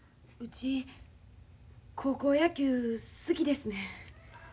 うち高校野球好きですねん。